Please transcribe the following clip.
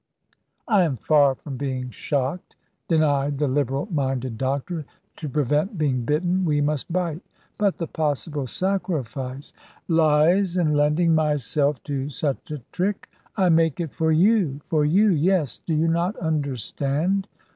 "I am far from being shocked," denied the liberal minded doctor; "to prevent being bitten, we must bite. But the possible sacrifice " "Lies in lending myself to such a trick. I make it for you for you; yes, do you not understand?"